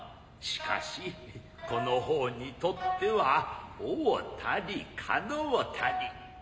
しかしこの方にとっては合うたり叶うたり。